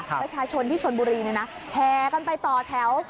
ประชาชนที่ชนบุรีแห่กันไปต่อแถว